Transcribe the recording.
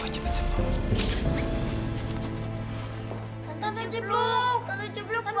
semoga cepat sembuh